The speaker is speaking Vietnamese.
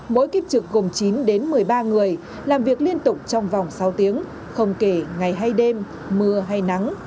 mỗi kiếp trực gồm chín đến một mươi ba người làm việc liên tục trong vòng sông